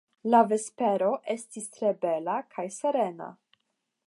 La vespero estis tre bela kaj serena.